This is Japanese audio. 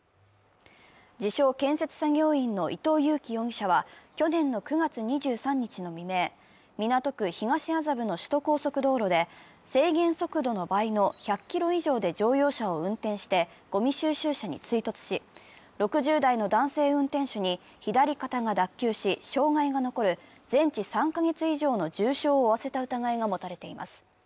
自称・建設作業員の伊東祐貴容疑者は去年の９月２３日の未明、港区東麻布の首都高速道路で制限速度の倍の１００キロ以上で乗用車を運転してごみ収集車に追突し、６０代の男性運転手に左肩が脱臼し、障害が残る全治３か月以上の重傷を負わせた疑いが持たれています。